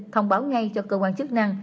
thông báo ngay cho cơ quan chức năng